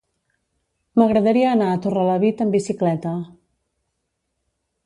M'agradaria anar a Torrelavit amb bicicleta.